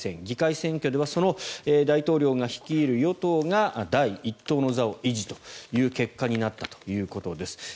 議会選挙ではその大統領が率いる与党が第１党の座を維持という結果になったということです。